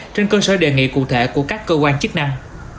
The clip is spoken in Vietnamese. trên cơ sở đề nghị cụ thể của các cơ quan chức năng